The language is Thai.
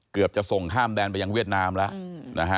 เกือบจะส่งข้ามแดนไปยังเวียดนามแล้ว